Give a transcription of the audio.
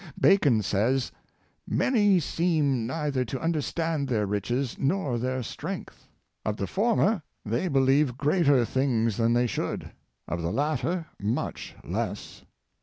Bacon says, " INIen seem neither to understand their riches nor their strength: of the former they believe greater things than they should; of the latter much less.